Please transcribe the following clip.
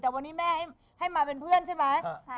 แต่วันนี้แม่ให้มาเป็นเพื่อนใช่ไหม